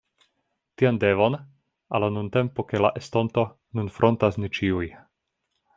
Tian devon, al la nuntempo kaj la estonto, nun frontas ni ĉiuj.